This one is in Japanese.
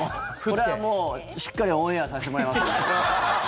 これは、しっかりオンエアさせてもらいます。